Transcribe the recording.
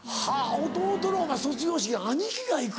弟の卒業式兄貴が行く？